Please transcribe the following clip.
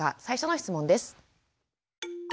最初の質問です。